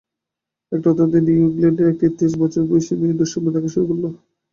একটা উদাহরণ দিই-নিউ ইংল্যাণ্ডের একটি তেইশ বছর বয়েসী মেয়ে দুঃস্বপ্ন দেখা শুরু করল।